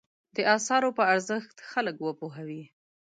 د اثارو په ارزښت خلک وپوهوي.